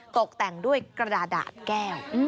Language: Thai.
ตกแต่งด้วยกระดาษแก้ว